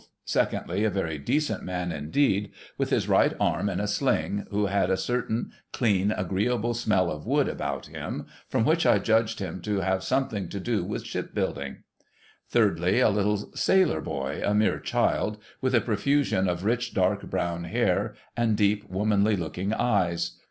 Secondly, a very decent man indeed, with his right arm in a sling, who had a certain clean, agreeable smell of wood about him, from which I judged him to have something to do with shi))building. 'I'iiirdly, a little sailor boy, a mere child, with a profusion of rich dark brown hair, and deep womanly looking eyes.